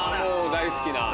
大好きな。